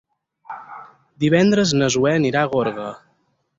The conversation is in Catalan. Divendres na Zoè anirà a Gorga.